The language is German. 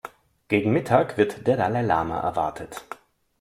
Gegen Mittag wird der Dalai-Lama erwartet.